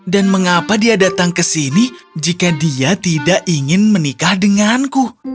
dan mengapa dia datang ke sini jika dia tidak ingin menikah denganku